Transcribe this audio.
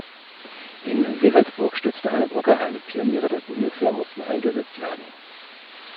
In Wewelsburg stürzte eine Brücke ein, Pioniere der Bundeswehr mussten eingesetzt werden.